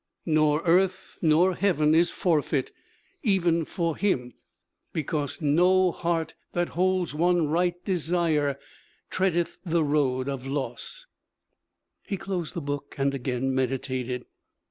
Nor earth, nor heaven is forfeit, even for him, Because no heart that holds one right desire Treadeth the road of loss! He closed the book and again meditated.